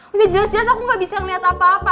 udah jelas jelas aku gak bisa ngeliat apa apa